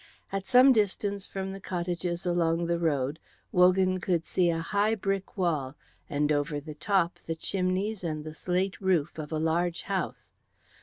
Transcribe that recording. At some distance from the cottages along the road, Wogan could see a high brick wall, and over the top the chimneys and the slate roof of a large house.